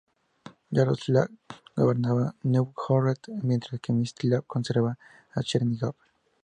Yaroslav gobernaba Nóvgorod, mientras que Mstislav conservaba Chernígov.